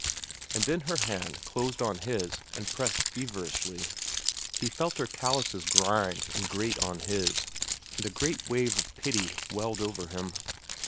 And then her hand closed on his and pressed feverishly. He felt her callouses grind and grate on his, and a great wave of pity welled over him.